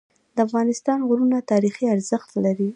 د افغانستان غرونه تاریخي ارزښت لري.